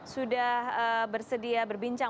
sudah bersedia berbincang